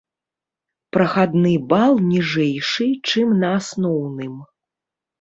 Прахадны бал ніжэйшы, чым на асноўным.